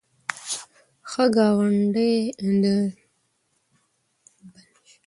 د جنوبي کوریا متل وایي ښه ګاونډی له لرې ورور غوره دی.